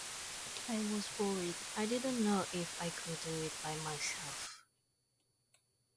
I was worried, I didn't know if I could do it by myself.